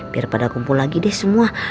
biar pada kumpul lagi deh semua